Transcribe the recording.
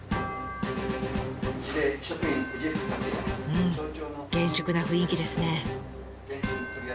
うん厳粛な雰囲気ですね。